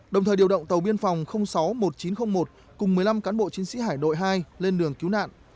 đồng thời điều động tàu biên phòng sáu một nghìn chín trăm linh một cùng một mươi năm cán bộ chiến sĩ hải đội hai lên đường cứu nạn